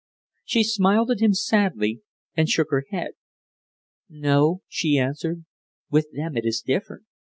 She smiled at him sadly, and shook her head. "No!" she answered. "With them it is different.